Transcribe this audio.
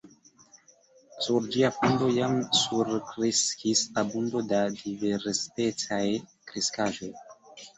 Sur ĝia fundo jam surkreskis abundo da diversspecaj kreskaĵoj.